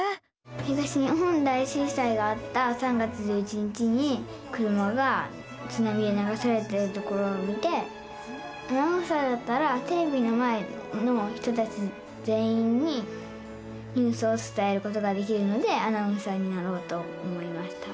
東日本大震災があった３月１１日に車がつなみでながされてるところを見てアナウンサーだったらテレビの前の人たち全員にニュースをつたえることができるのでアナウンサーになろうと思いました。